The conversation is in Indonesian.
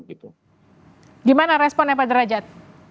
gimana responnya pak derajat